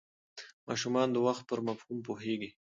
ماشومان د وخت پر مفهوم پوهېږي.